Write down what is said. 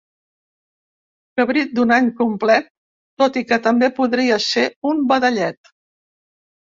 Cabrit d'un any complet, tot i que també podria ser un vedellet.